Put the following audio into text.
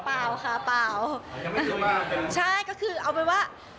อ๋อเปล่าเปล่าค่ะใช่ก็คือเอาไปว่า